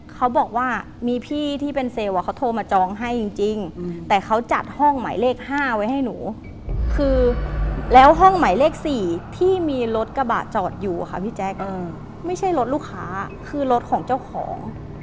เขาบอกว่ามีพี่ที่เป็นเซลล์เขาโทรมาจองให้จริงแต่เขาจัดห้องหมายเลข๕ไว้ให้หนูคือแล้วห้องหมายเลข๔ที่มีรถกระบะจอดอยู่ค่ะพี่แจ๊คไม่ใช่รถลูกค้าคือรถของเจ้าของ